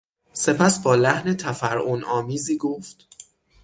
سپس با لحن تفرعن آمیزی گفت...